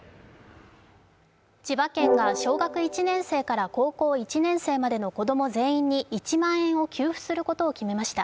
千葉県が小学１年生から高校１年生までの子供全員に１万円を給付することを決めました。